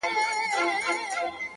• اوس لا ژاړې له آسمانه له قسمته,